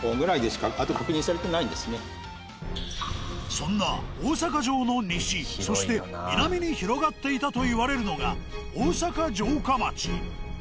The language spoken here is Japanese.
そんな大阪城の西そして南に広がっていたといわれるのが大阪城下町。